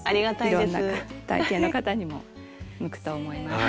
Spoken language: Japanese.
いろんな体型の方にも向くと思います。